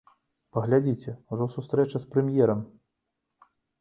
Паглядзіце, ужо сустрэча з прэм'ерам.